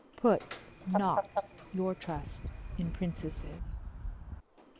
Put not your trust in princesses!